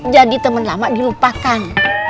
jadi temen lama dilupakan